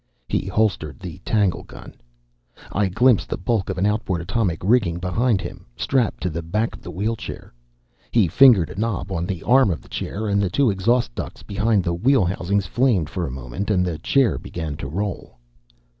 He holstered the tanglegun. I glimpsed the bulk of an outboard atomic rigging behind him, strapped to the back of the wheelchair. He fingered a knob on the arm of the chair and the two exhaust ducts behind the wheel housings flamed for a moment, and the chair began to roll.